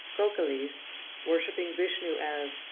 Gokalies worshiping Vishnu as 2.